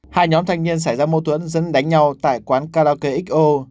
hai nhóm thanh niên xảy ra mô tuấn dẫn đánh nhau tại quán karaoke xo